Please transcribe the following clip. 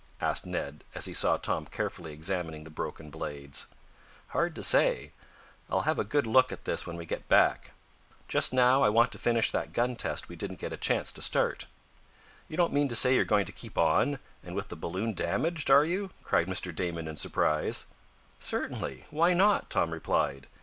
asked Ned as he saw Tom carefully examining the broken blades. "Hard to say. I'll have a good look at this when we get back. Just now I want to finish that gun test we didn't get a chance to start." "You don't mean to say you're going to keep on, and with the balloon damaged; are you?" cried Mr. Damon, in surprise. "Certainly why not?" Tom replied.